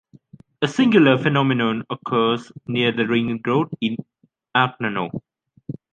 A singular phenomenon occurs near the ring road in Agnano.